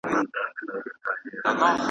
چي تر څو دا جهالت وي چي تر څو همدغه قام وي .